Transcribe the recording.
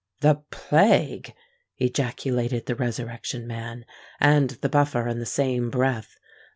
"The plague!" ejaculated the Resurrection Man and the Buffer in the same breath.